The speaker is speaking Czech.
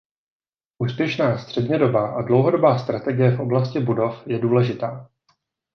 Úspěšná střednědobá a dlouhodobá strategie v oblasti budov je důležitá.